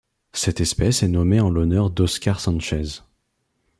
Cette espèce est nommée en l'honneur d'Oscar Sánchez.